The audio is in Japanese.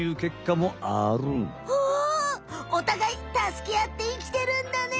おたがいたすけあって生きてるんだね！